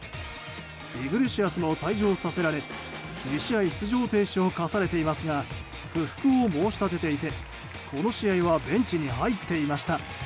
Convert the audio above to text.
イグレシアスも退場させられ２試合出場停止を課されていますが不服を申し立てていてこの試合はベンチに入っていました。